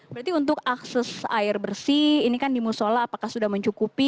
berarti untuk akses air bersih ini kan di musola apakah sudah mencukupi